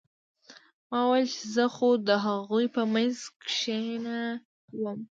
ما وويل چې زه خو د هغوى په منځ کښې نه وم.